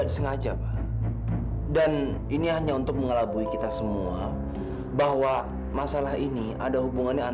sampai jumpa di video selanjutnya